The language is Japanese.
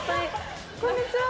こんにちは。